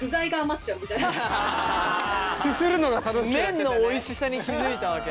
麺のおいしさに気付いたわけだ。